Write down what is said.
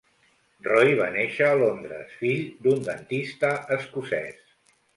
Roy va néixer a Londres, fill d'un dentista escocès.